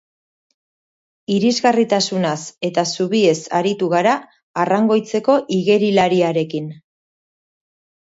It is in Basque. Irisgarritasunaz eta zubiez aritu gara arrangoitzeko igerilariarekin.